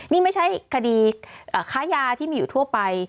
นี่ไม่ใช่คดีค้ายาที่มีอยู่ทั่วไป